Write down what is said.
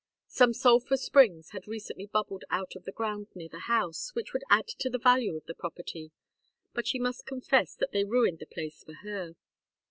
Some sulphur springs had recently bubbled out of the ground near the house, which would add to the value of the property; but she must confess that they ruined the place for her.